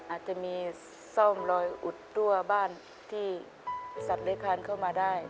อาจจะมีซ่อมรอยอุดทั่วบ้านที่สัตว์เล็กคลานเข้ามาได้